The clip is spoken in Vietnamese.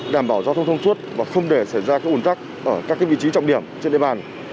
đảm bảo giao thông thông suốt và không để xảy ra các ủn tắc ở các vị trí trọng điểm trên địa bàn